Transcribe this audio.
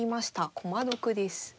駒得です。